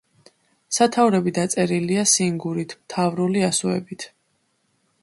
სათაურები დაწერილია სინგურით, მთავრული ასოებით.